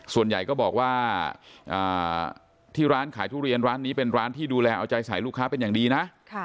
ส่วนใหญ่ก็บอกว่าที่ร้านขายทุเรียนร้านนี้เป็นร้านที่ดูแลเอาใจใส่ลูกค้าเป็นอย่างดีนะ